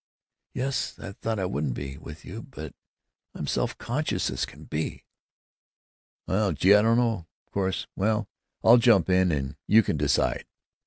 "Yes! I thought I wouldn't be, with you, but I'm self conscious as can be." "Well, gee! I don't know. Of course——Well, I'll jump in, and you can decide."